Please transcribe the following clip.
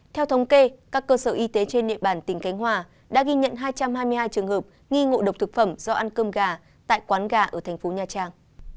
theo thống kê các cơ sở y tế trên địa bàn tỉnh khánh hòa đã ghi nhận hai trăm hai mươi hai trường hợp nghi ngộ độc thực phẩm do ăn cơm gà tại quán gà ở thành phố nha trang